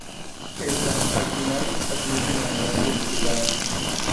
Está al final admite enamorarse de Subaru.